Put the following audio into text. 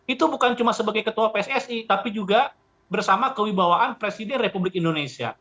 itu bukan cuma sebagai ketua pssi tapi juga bersama kewibawaan presiden republik indonesia